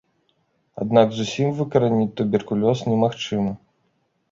Аднак зусім выкараніць туберкулёз немагчыма.